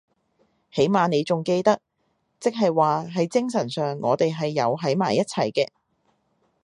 起碼妳仲記得，即係話係精神上我哋係有喺埋一齊嘅